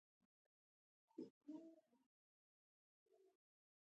خټکی که له دوست سره وخوړل شي، دوه چنده خوند کوي.